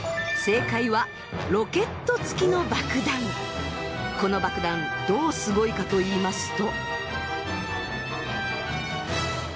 正解はこの爆弾どうすごいかといいますと。